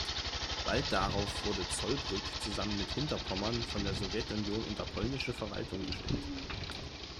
Bald darauf wurde Zollbrück zusammen mit Hinterpommern von der Sowjetunion unter polnische Verwaltung gestellt.